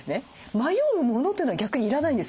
迷うモノというのは逆に要らないんです